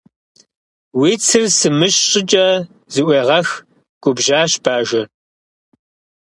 Уи цыр сымыщ щӀыкӀэ зыӀуегъэх! - губжьащ Бажэр.